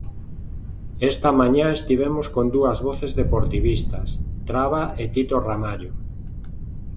Esta mañá estivemos con dúas voces deportivistas, Traba e Tito Ramallo.